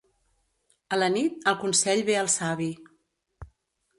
A la nit, el consell ve al savi.